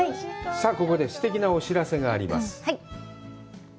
さあ、ここですてきなお知らせがあります。